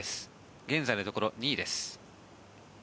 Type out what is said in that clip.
現在のところ２位です。